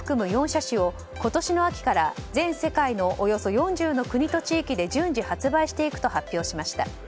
４車種を今年の秋から全世界のおよそ４０の国と地域で順次発売していくと発表しました。